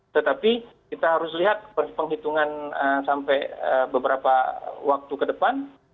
tetapi kita harus lihat penghitungan sampai beberapa waktu ke depan